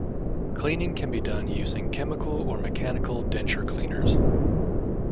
Cleaning can be done using chemical or mechanical denture cleaners.